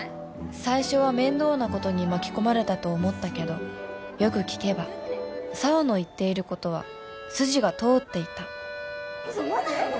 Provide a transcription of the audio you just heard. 最初は面倒なことに巻き込まれたと思ったけどよく聞けば紗羽の言っていることは筋が通っていたウソマジ！？